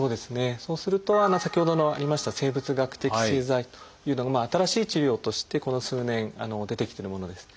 そうすると先ほどのありました生物学的製剤というのが新しい治療としてこの数年出てきてるものです。